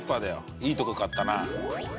いいとこ買ったな。